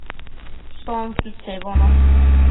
Shoquid sebono